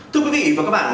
thưa quý vị và các bạn